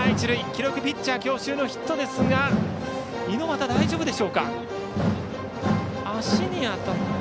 記録ピッチャー強襲ヒットですが猪俣、大丈夫でしょうか。